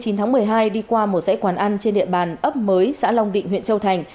đêm hai mươi chín tháng một mươi hai đi qua một dãy quán ăn trên địa bàn ấp mới xã long định huyện châu thành